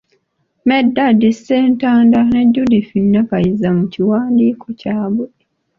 Medadi Ssentanda ne Judith Nakayiza mu kiwandiiko kyabwe.